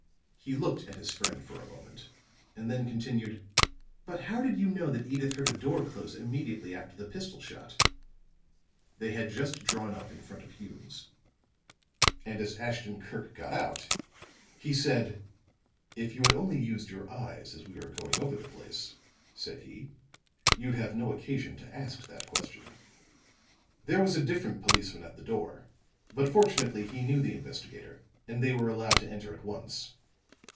He looked at his friend for a moment and then continued: "But how did you know that Edyth heard a door close immediately after the pistol shot?" They had just drawn up in front of Hume's, and as Ashton Kirk got out, he said: "If you had only used your eyes as we were going over the place," said he, "you'd have no occasion to ask that question." There was a different policeman at the door; but fortunately he knew the investigator and they were allowed to enter at once.